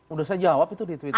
udah saya jawab itu di twitter